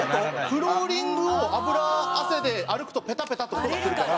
フローリングを脂汗で歩くとペタペタって音がするから。